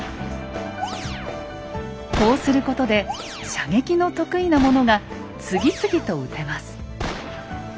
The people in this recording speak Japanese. こうすることで射撃の得意な者が次々と撃てます。